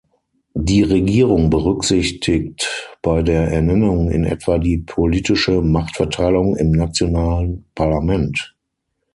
Die Regierung berücksichtigt bei der Ernennung in etwa die politische Machtverteilung im nationalen Parlament.